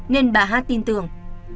nên bà hát tin tưởng